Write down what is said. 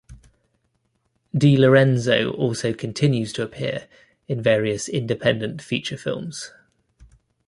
DeLorenzo also continues to appear in various independent feature films.